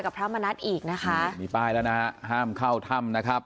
ว่าไม่มีป้ายแล้วนะห้ามเข้าถ้ำนะครับ